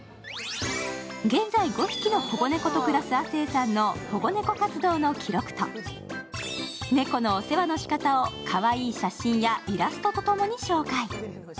現在、５匹の保護猫と暮らす亜生さんの保護猫活動の記録と、猫のお世話の仕方をかわいい写真とイラストと共に紹介。